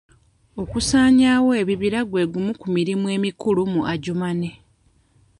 Okusaanyawo ebibira gwe gumu ku mirimu emikulu mu Adjumani.